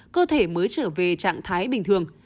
cơ thể mới trở về trạng thái bình thường